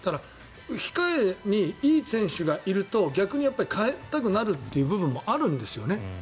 控えにいい選手がいると逆に代えたくなるという部分もあるんですよね。